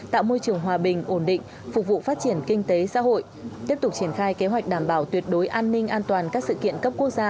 tạo môi trường hòa bình ổn định phục vụ phát triển kinh tế xã hội tiếp tục triển khai kế hoạch đảm bảo tuyệt đối an ninh an toàn các sự kiện cấp quốc gia